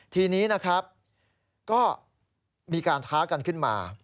ทีนี้นะครับก็มีการท้ากันขึ้นมา